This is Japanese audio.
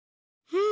うん？